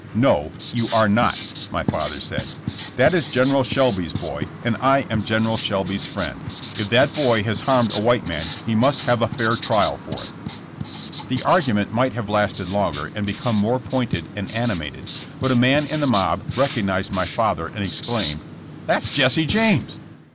''No, you are not," my father said. *'That is General Shelby's boy and I am General Shelby's OUTLAWED AND HUNTED. 79 friend. If that boy has harmed a white man he must have a fair trial for it." The argument might have lasted longer and be come more pointed and animated but a man in the mob recognized my father and exclaimed: ''That's Jesse James."